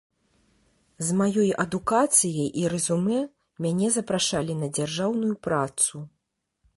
З маёй адукацыяй і рэзюмэ мяне запрашалі на дзяржаўную працу.